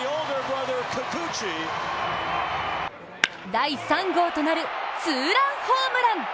第３号となるツーランホームラン。